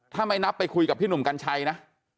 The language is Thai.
ถ้าไม่นับไปคุยกับพี่หนุ่มกัญชัยนะ